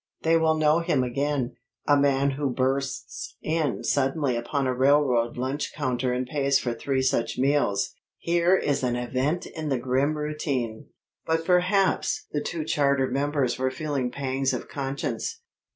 They will know him again. A man who bursts in suddenly upon a railroad lunch counter and pays for three such meals, here is an event in the grim routine! But perhaps the two charter members were feeling pangs of conscience.